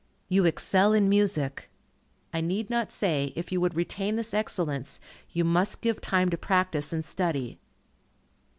You excel in music. I need not say, if you would retain this excellence, you must give time to practice and study.